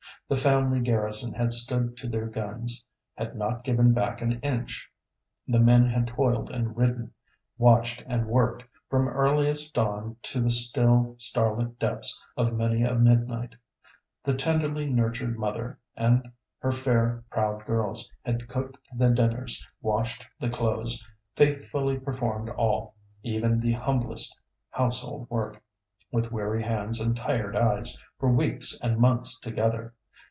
The family garrison had stood to their guns; had not given back an inch. The men had toiled and ridden, watched and worked, from earliest dawn to the still, starlit depths of many a midnight. The tenderly nurtured mother and her fair, proud girls had cooked the dinners, washed the clothes, faithfully performed all, even the humblest, household work, with weary hands and tired eyes, for weeks and months together.